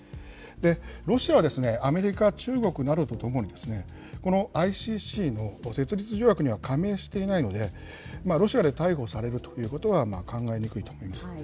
ロシアはアメリカ、中国などとともに、このＩＣＣの設立条約には加盟していないので、ロシアで逮捕されるということは考えにくいといえます。